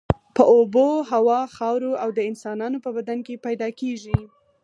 په اوبو، هوا، خاورو او د انسانانو په بدن کې پیدا کیږي.